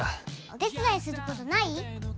お手伝いすることない？